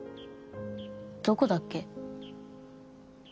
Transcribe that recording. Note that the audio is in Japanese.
どこだっけ。